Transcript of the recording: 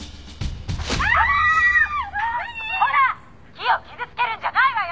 木を傷つけるんじゃないわよ！」